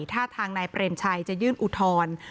ท่าทางนายเปรมชัยจะยื่นอุทธรณ์